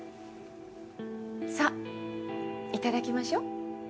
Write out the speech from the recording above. さいただきましょう。